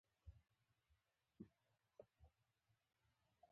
انسان تل د لا ډېرو په حرص کې سرګردانه وي.